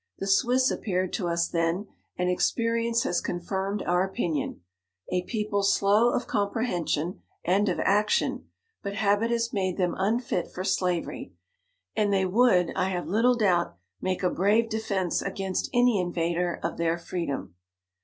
The Swiss appeared to us then, and experience has con firmed our opinion, a people slow of comprehension and of action ; but ha bit has made them unfit for slavery, and they would, I have little doubt, make a brave defence against any in vader of their freedom.